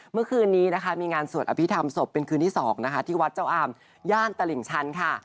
เมื่อคืนนี้นะคะมีงานสวดอภิษฐรรมศพเป็นคืนที่๒นะคะที่วัดเจ้าอามย่านตลิ่งชันค่ะ